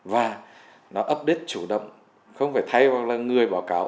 và nó update chủ động không phải thay vào người báo cáo